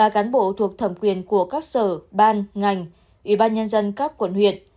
ba cán bộ thuộc thẩm quyền của các sở ban ngành ủy ban nhân dân các quận huyện